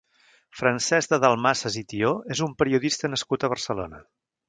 Francesc de Dalmases i Thió és un periodista nascut a Barcelona.